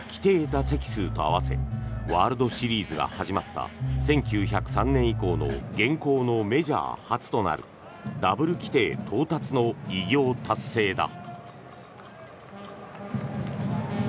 打席数と合わせワールドシリーズが始まった１９０３年以降の現行のメジャー初となるダブル規定到達の偉業達成だ。